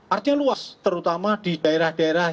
artinya luas terutama di daerah daerah